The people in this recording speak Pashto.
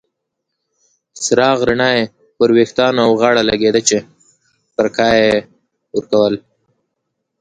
د څراغ رڼا یې پر ویښتانو او غاړه لګیده چې پرکا یې ورکول.